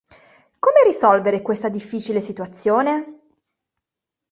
Come risolvere questa difficile situazione?